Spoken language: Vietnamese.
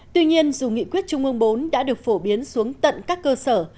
tuy nhiên dù nghị quyết trung ương bốn đã được phổ biến xuống tận các cơ sở